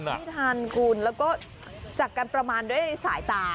ไม่ทันคุณแล้วก็จากการประมาณด้วยสายตา